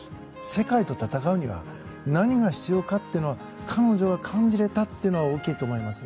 世界と戦うには何が必要かというのを彼女は感じれたというのは大きいと思います。